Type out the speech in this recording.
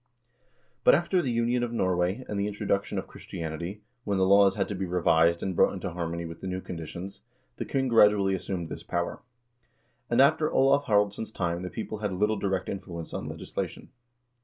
But after the union of Norway, and the introduction of Christianity, when the laws had to be revised and brought into har mony with the new conditions, the king gradually assumed this power ; and after Olav Haraldsson's time the people had little direct influence on legislation.